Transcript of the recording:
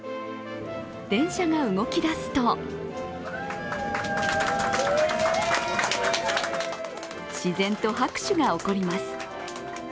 電車が動き出すと自然と拍手が起こります。